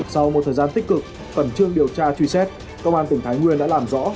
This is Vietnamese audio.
sau một thời gian tích cực khẩn trương điều tra truy xét công an tỉnh thái nguyên đã làm rõ